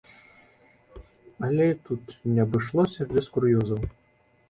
Але і тут не абышлося без кур'ёзаў.